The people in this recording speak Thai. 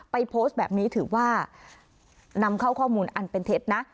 โพสต์แบบนี้ถือว่านำเข้าข้อมูลอันเป็นเท็จนะ